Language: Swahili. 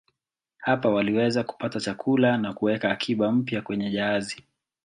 Hapa waliweza kupata chakula na kuweka akiba mpya kwenye jahazi.